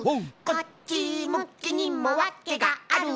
「こっちむきにもわけがある」